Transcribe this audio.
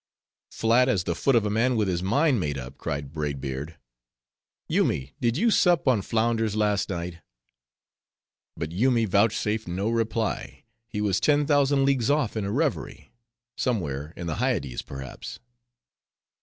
"Flat as the foot of a man with his mind made up," cried Braid Beard. "Yoomy, did you sup on flounders last night?" But Yoomy vouchsafed no reply, he was ten thousand leagues off in a reverie: somewhere in the Hyades perhaps.